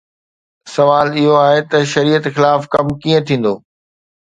سوال اهو آهي ته شريعت خلاف ڪم ڪيئن ٿيندو؟